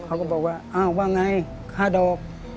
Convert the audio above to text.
เขาก็บอกว่าอ้าวว่าไงค่าดอก